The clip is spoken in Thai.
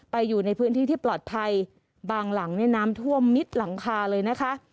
อยู่ในพื้นที่ที่ปลอดภัยบางหลังเนี่ยน้ำท่วมมิดหลังคาเลยนะคะ